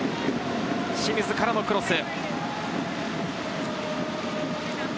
清水からのクロス。